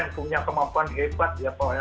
yang punya kemampuan hebat